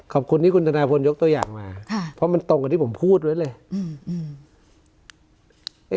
ขอบคุณที่คุณธนาพลยกตัวอย่างมาค่ะเพราะมันตรงกับที่ผมพูดไว้เลยอืม